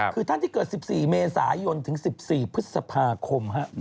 คือท่านที่เกิด๑๔เมษายนถึง๑๔พฤษภาคม